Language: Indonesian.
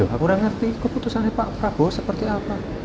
ya aku gak ngerti keputusannya pak prabowo seperti apa